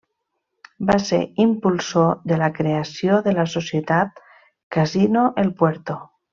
Va ser impulsor de la creació de la Societat Casino El Puerto.